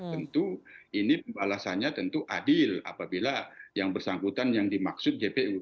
tentu ini alasannya tentu adil apabila yang bersangkutan yang dimaksud jpu